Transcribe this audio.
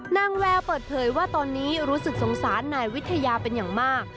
แววเปิดเผยว่าตอนนี้รู้สึกสงสารนายวิทยาเป็นอย่างมาก